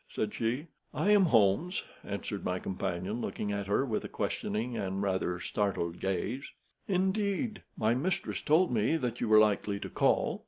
said she. "I am Mr. Holmes," answered my companion, looking at her with a questioning and rather startled gaze. "Indeed! My mistress told me that you were likely to call.